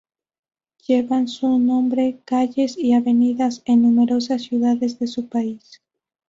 Llevan su nombre calles y avenidas en numerosas ciudades de su país.